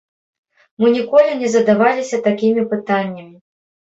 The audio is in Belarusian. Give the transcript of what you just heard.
Мы ніколі не задаваліся такімі пытаннямі.